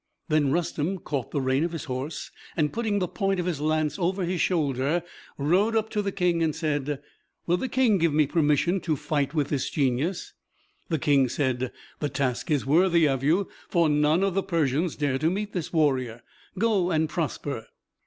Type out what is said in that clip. Then Rustem caught the rein of his horse, and, putting the point of his lance over his shoulder, rode up to the King, and said, "Will the King give me permission to fight with this Genius?" The King said, "The task is worthy of you, for none of the Persians dare to meet this warrior. Go and prosper!"